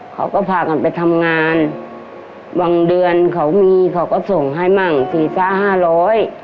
เขาก็พากันไปทำงานบางเดือนเขามีเขาก็ส่งให้มั่งสี่ซ่าห้าร้อย